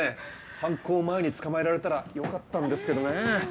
犯行前に捕まえられたらよかったんですけどね。